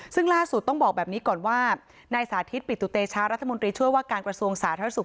ซึ่งล่าสุดต้องบอกแบบนี้ก่อนว่านายสาธิตปิตุเตชะรัฐมนตรีช่วยว่าการกระทรวงสาธารณสุข